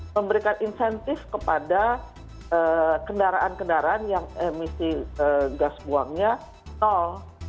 memberikan insentif kepada kendaraan kendaraan yang emisi gas buangnya nol